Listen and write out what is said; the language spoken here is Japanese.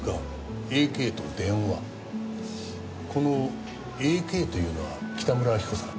このＡ．Ｋというのは北村明子さん